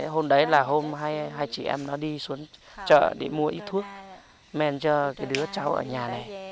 hôm đấy là hôm hai chị em nó đi xuống chợ đi mua ít thuốc men cho cái đứa cháu ở nhà này